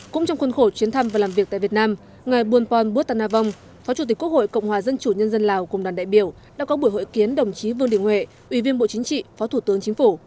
cũng trong khuôn khổ chuyến thăm và làm việc tại việt nam ngài buôn pon bút tân a vong phó chủ tịch quốc hội cộng hòa dân chủ nhân dân lào cùng đoàn đại biểu đã có buổi hội kiến đồng chí vương đình huệ ủy viên bộ chính trị phó thủ tướng chính phủ